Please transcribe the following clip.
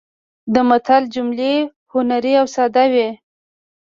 د متل جملې هنري او ساده وي